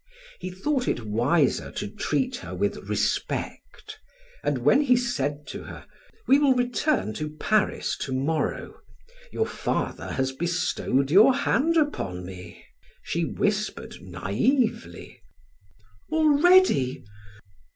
He thought it wiser to treat her with respect, and when he said to her: "We will return to Paris to morrow; your father has bestowed your hand upon me" she whispered naively: "Already?